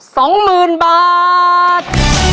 สองหมื่นบาท